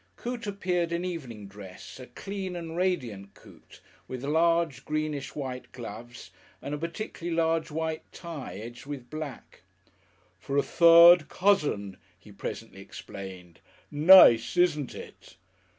Coote appeared in evening dress, a clean and radiant Coote, with large, greenish, white gloves and a particularly large white tie, edged with black. "For a third cousin," he presently explained. "Nace, isn't it?"